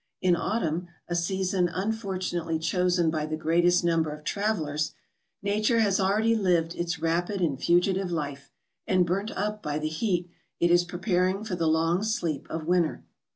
In autumn, a season unfortunately chosen by the greatest number of travellers, Nature has already lived its rapid and •fugitive life, and burnt up by the heat, it is preparing for the long sleep of winter.